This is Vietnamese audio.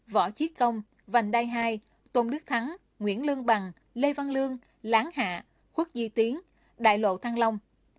võ chiết công vành đai hai tôn đức thắng nguyễn lương bằng lê văn lương lán hạ khuất di tiến đại lộ thăng long